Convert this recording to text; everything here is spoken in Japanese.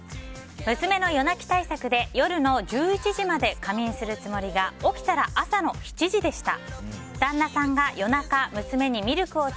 娘の夜泣き対策で夜の１１時まで仮眠するつもりがあなたの懐かしの給食は何ですか？